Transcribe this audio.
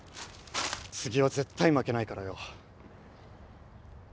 次は絶対負けないからよ。